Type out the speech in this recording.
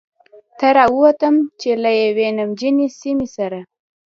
ته را ووتم، چې له یوې نمجنې سیمې سره.